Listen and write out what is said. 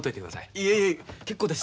いえいえ結構です。